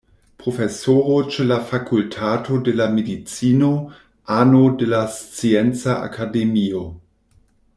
Profesoro ĉe la Fakultato de la Medicino, ano de la Scienca Akademio.